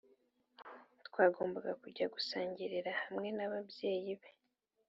twagombaga kujya gusangirira hamwe n’ababyeyi be